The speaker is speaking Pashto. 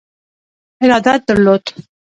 ارادت درلود.